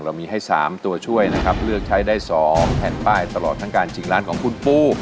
เรามีให้๓ตัวช่วยนะครับเลือกใช้ได้๒แผ่นป้ายตลอดทั้งการชิงร้านของคุณปู